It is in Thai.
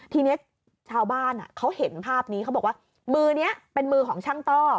ทีนี้ชาวบ้านเขาเห็นภาพนี้เขาบอกว่ามือนี้เป็นมือของช่างต้อ